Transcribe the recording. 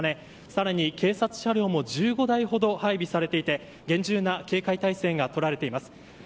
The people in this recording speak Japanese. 更に警察車両も１５台ほど配備されていて厳重な警戒態勢が取られています。